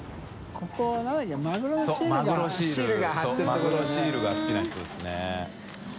マグロシールが好きな人ですね。